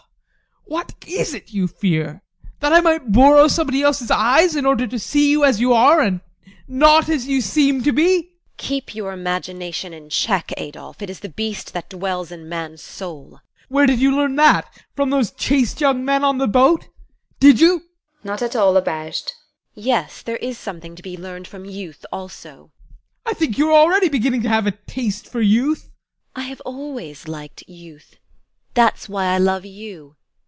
What is it you fear? That I might borrow somebody else's eyes in order to see you as you are, and not as you seem to be? TEKLA. Keep your imagination in check, Adolph! It is the beast that dwells in man's soul. ADOLPH. Where did you learn that? From those chaste young men on the boat did you? TEKLA. [Not at all abashed] Yes, there is something to be learned from youth also. ADOLPH. I think you are already beginning to have a taste for youth? TEKLA. I have always liked youth. That's why I love you.